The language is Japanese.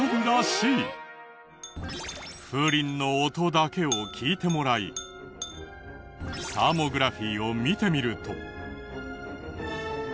風鈴の音だけを聞いてもらいサーモグラフィを見てみると。